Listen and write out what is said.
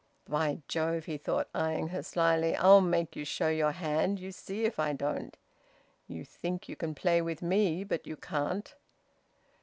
"By Jove!" he thought, eyeing her slyly, "I'll make you show your hand you see if I don't! You think you can play with me, but you can't!"